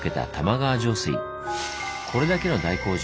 これだけの大工事